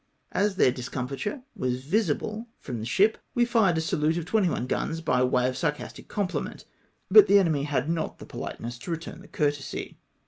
As then* discomfiture was visible fi'om tlie ATTACK OP THE IMPERIEUSE. 293 ship, we fired a salute of twenty one guns by way of sarcastic compliment, but the enemy had not the pohte ness to return the courtesy.